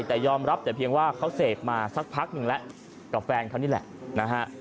แต่ยอมรับแต่เพียงว่าเขาเสพมาสักพักหนึ่งแล้วกับแฟนเขานี่แหละนะฮะ